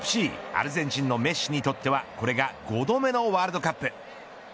アルゼンチンのメッシにとってはこれが５度目のワールドカップ。